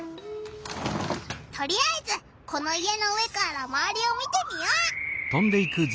とりあえずこの家の上からまわりを見てみよう！